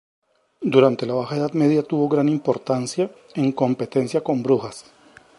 Durante la Baja Edad Media tuvo gran importancia, en competencia con Brujas.